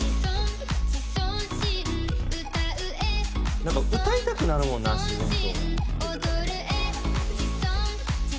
「なんか歌いたくなるもんな自然と」